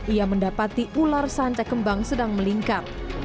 ia mendapati ular sanca kembang sedang melingkar